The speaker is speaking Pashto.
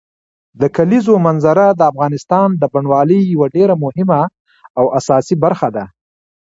د کلیزو منظره د افغانستان د بڼوالۍ یوه ډېره مهمه او اساسي برخه ده.